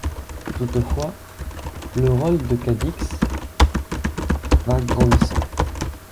Toutefois, le rôle de Cadix va grandissant.